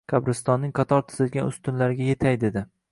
Qabristonning qator tizilgan ustunlariga yetay dedi.